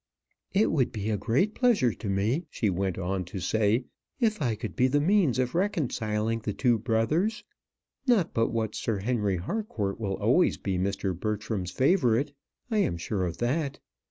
"It would be a great pleasure to me," she went on to say, "if I could be the means of reconciling the two brothers not but what Sir Henry Harcourt will always be Mr. Bertram's favourite; I am sure of that.